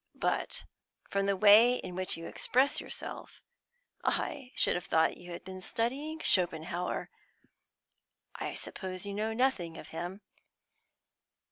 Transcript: But, from the way in which you express yourself, I should have thought you had been studying Schopenhauer. I suppose you know nothing of him?"